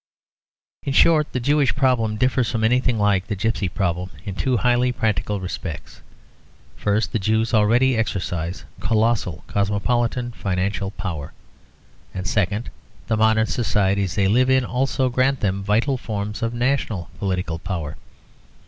In short, the Jewish problem differs from anything like the gipsy problem in two highly practical respects. First, the Jews already exercise colossal cosmopolitan financial power. And second, the modern societies they live in also grant them vital forms of national political power.